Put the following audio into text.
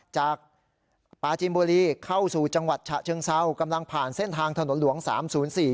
จากปลาจีนบุรีเข้าสู่จังหวัดฉะเชิงเซากำลังผ่านเส้นทางถนนหลวงสามศูนย์สี่